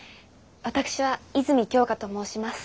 私は泉京香と申します。